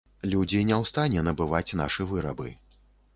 Людзі не ў стане набываць нашы вырабы.